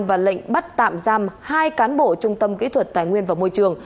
và lệnh bắt tạm giam hai cán bộ trung tâm kỹ thuật tài nguyên và môi trường